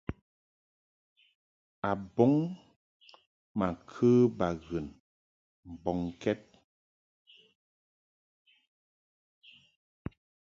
Abɔŋ ma kə baghɨn mbɔŋkɛd.